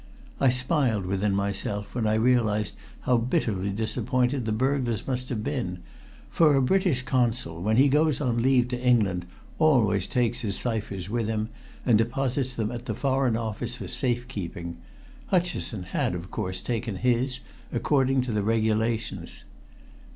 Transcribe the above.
I smiled within myself when I realized how bitterly disappointed the burglars must have been, for a British Consul when he goes on leave to England always takes his ciphers with him, and deposits them at the Foreign Office for safekeeping. Hutcheson had, of course, taken his, according to the regulations.